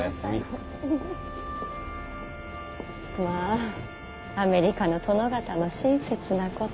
まぁアメリカの殿方の親切なこと。